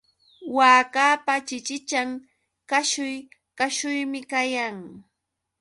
Waakapa chichichan kashuy kashuymi kayan.